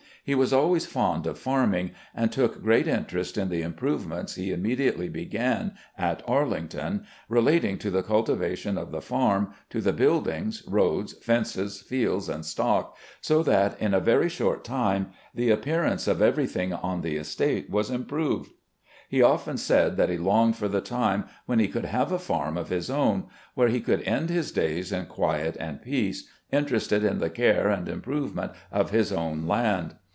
He was always fond of farming, and took great interest in the improvements he immedi ately began at Arlington relating to the cultivation of the farm, to the buildings, roads, fences, fields, and stock, so that in a very short time the appearance of ever3d;hing on the estate was improved. He often said that he longed for the time when he could have a farm of his own, where he could end his days in quiet and peace, interested in the care and improvement of his own land.